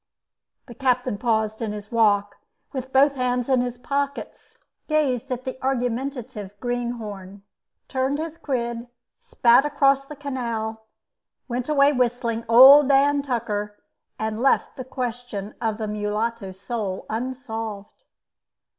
The captain paused in his walk, with both hands in his pockets, gazed at the argumentative greenhorn, turned his quid, spat across the canal, went away whistling "Old Dan Tucker," and left the question of the mulatto's soul unsolved.